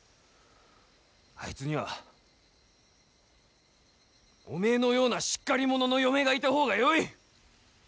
あいつにはおめえのようなしっかりものの嫁がいた方がよい。